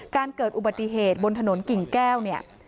เกิดอุบัติเหตุบนถนนกิ่งแก้วเนี่ย